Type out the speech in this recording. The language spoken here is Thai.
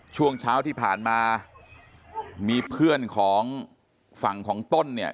ช่วงเช้าที่ผ่านมามีเพื่อนของฝั่งของต้นเนี่ย